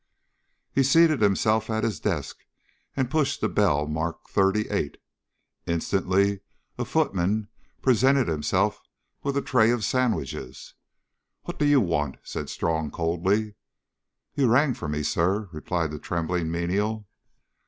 He seated himself at his desk and pushed the bell marked "38." Instantly a footman presented himself with a tray of sandwiches. "What do you want?" said Strong coldly. "You rang for me, Sir," replied the trembling menial.